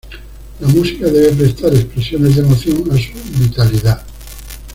La música debe prestar expresiones de emoción a su vitalidad.